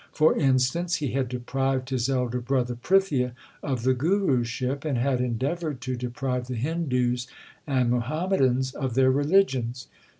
For instance, he had deprived his elder brother Prithia of the Guruship, and had endeavoured to deprive the Hindus and Muham madans of their religions.